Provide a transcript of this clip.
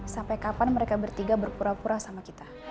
sampai kapan mereka bertiga berpura pura sama kita